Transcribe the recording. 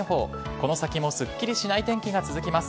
この先もすっきりしない天気が続きます。